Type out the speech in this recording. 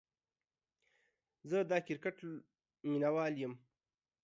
زه دا کرکټ ميناوال يم